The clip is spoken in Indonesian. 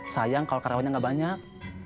sayang kalau karyawannya nggak banyak